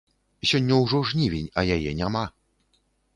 Сёння ўжо жнівень, а яе няма.